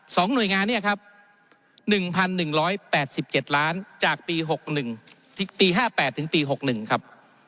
หน่วยงานเนี่ยครับ๑๑๘๗ล้านจากปี๖๑ปี๕๘ถึงปี๖๑ครับ